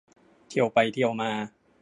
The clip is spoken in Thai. เทียวไปเทียวมา